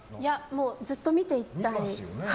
ずっと見ていたい。